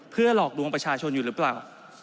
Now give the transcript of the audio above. เพื่อหลอกลวงประชาชนอยู่หรือเปล่า